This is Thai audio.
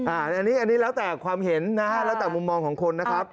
อันนี้แล้วแต่ความเห็นนะฮะแล้วแต่มุมมองของคนนะครับ